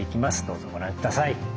どうぞご覧ください。